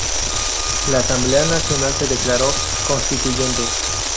La Asamblea Nacional se declaró Constituyente.